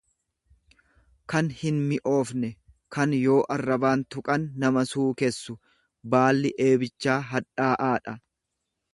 kan hinmi'oofne, kan yoo arrabaan tuqan nama suukessu; Baalli eebichaa hadhaa'aadha.